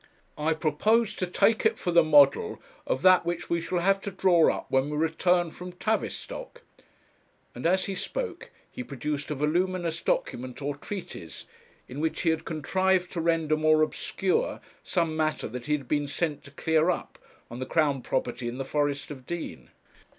I propose to take it for the model of that which we shall have to draw up when we return from Tavistock;' and as he spoke he produced a voluminous document, or treatise, in which he had contrived to render more obscure some matter that he had been sent to clear up, on the Crown property in the Forest of Dean.